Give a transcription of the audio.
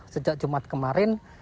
sejak jumat kemarin